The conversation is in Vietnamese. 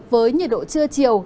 với nhiệt độ trưa chiều